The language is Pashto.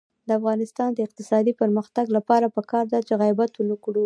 د افغانستان د اقتصادي پرمختګ لپاره پکار ده چې غیبت ونکړو.